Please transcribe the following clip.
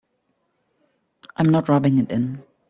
I'm not rubbing it in.